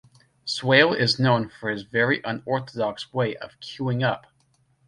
Swail is known for his very unorthodox way of cueing up.